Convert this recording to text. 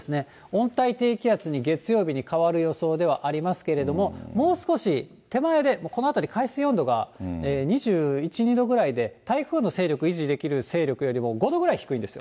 温帯低気圧に月曜日に変わる予想ではありますけれども、もう少し手前で、この辺り海水温度が２１、２度ぐらいで、台風の勢力維持できる勢力よりも５度ぐらい低いんです。